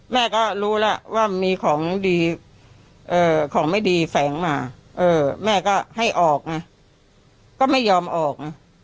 แม่ก็รู้แล้วว่ามีของดีของไม่ดีแฝงมาแม่ก็ให้ออกไงก็ไม่ยอมออกไง